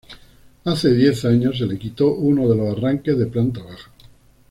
Hace diez años se le quitó uno de los arranques de planta baja.